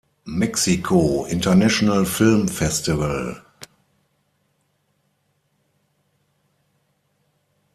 Mexico International Film Festival